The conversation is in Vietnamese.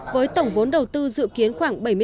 với tổng vốn đầu tư dự kiến khoảng bảy mươi tỷ